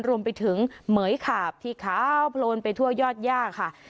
รวมไปถึงเหมือยขาบที่ขาวโพลนไปทั่วยอดย่าค่ะ